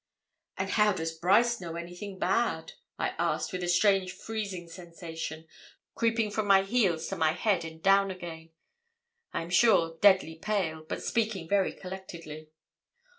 'And how does Brice know anything bad?' I asked, with a strange freezing sensation creeping from my heels to my head and down again I am sure deadly pale, but speaking very collectedly.